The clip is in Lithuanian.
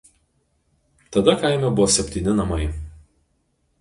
Tada kaime buvo septyni namai.